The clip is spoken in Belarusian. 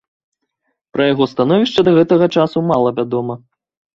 Пра яго становішча да гэтага часу мала вядома.